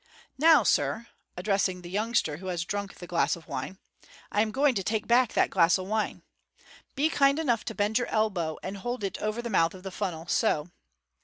" Now, sir " (address ing the youngster who has drunk the glass of wine), " I am going to take back that glass of wine. Be kind enough to bend your elbow, and hold it over the mouth of the funnel, so.